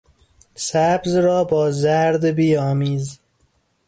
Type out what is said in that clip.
سبز را با زرد بیامیز